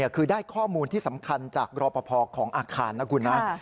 คือได้ข้อมูลที่สำคัญจากรอปภของอาคารนะคุณนะ